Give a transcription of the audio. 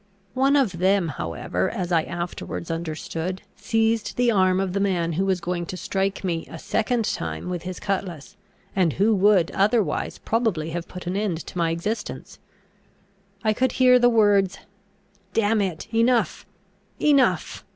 One of them however, as I afterwards, understood seized the arm of the man who was going to strike me a second time with his cutlass, and who would otherwise probably have put an end to my existence. I could hear the words, "Damn it, enough, enough!